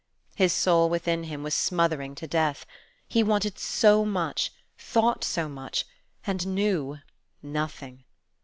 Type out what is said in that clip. His soul within him was smothering to death; he wanted so much, thought so much, and knew nothing.